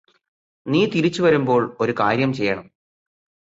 നീ തിരിച്ച് വരുമ്പോള് ഒരു കാര്യം ചെയ്യണം